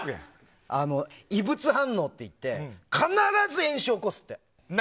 異物反応っていって必ず炎症を起こすって。